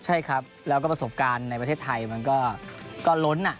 ใช่ครับแล้วก็ประสบการณ์ในประเทศไทยมันก็ล้น